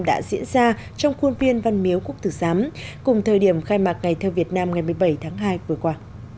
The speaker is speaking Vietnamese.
đã diễn ra trong khuôn viên văn miếu quốc tử giám cùng thời điểm khai mạc ngày theo việt nam ngày một mươi bảy tháng hai vừa qua